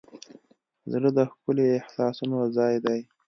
زړه د ښکلي احساسونو ځای دی.